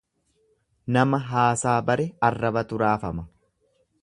Nama haasaa bare arrabatu raafama.